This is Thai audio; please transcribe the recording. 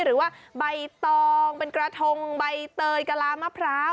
หรือว่าใบตองเป็นกระทงใบเตยกะลามะพร้าว